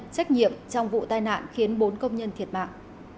trách nhiệm trong vụ tai nạn khiến bốn công nhân thiệt mạng